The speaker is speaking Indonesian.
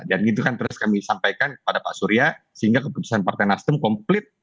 dan itu kan terus kami sampaikan kepada pak surya sehingga keputusan partai nasdim komplit